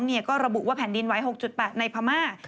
ก็ระบุว่าแผ่นดินไหว๖๘ในพม่า